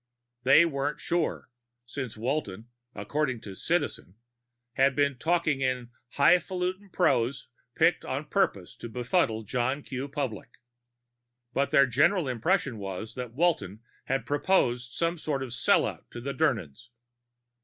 They weren't sure, since Walton, according to Citizen, had been talking in "hifalutin prose picked on purpose to befuddle John Q. Public." But their general impression was that Walton had proposed some sort of sellout to the Dirnans.